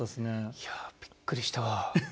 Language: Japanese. いやびっくりしたわ。